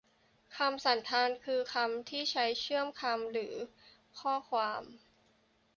คำสันธาน คือคำที่ใช้เชื่อมคำหรือข้อความ